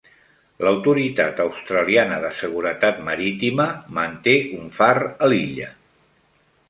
L'autoritat australiana de seguretat marítima manté un far a l'illa.